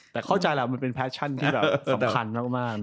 แต่เข้าใจแล้วมันเป็นแฟชั่นที่แบบสำคัญมาก